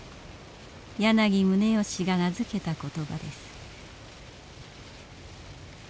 柳宗悦が名付けた言葉です。